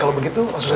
aduh berhenti ya sudah